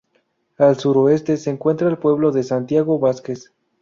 Al suroeste se encuentra el pueblo de Santiago Vázquez.